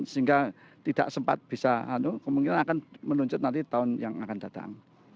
sehingga tidak sempat bisa kemungkinan akan menunjuk nanti tahun yang akan datang